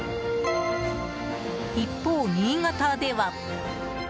一方、新潟では。